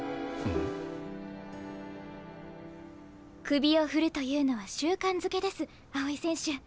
首を振るというのは習慣づけです青井選手。